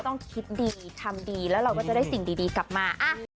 ต้องคิดดีทำดีแล้วเราก็จะได้สิ่งดีกลับมา